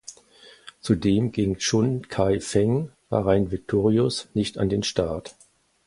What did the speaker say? Zudem ging Chun Kai Feng (Bahrain Victorious) nicht an den Start.